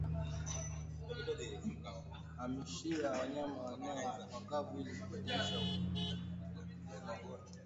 Hamishia wanyama maeneo makavu ili kukabiliana na ugonjwa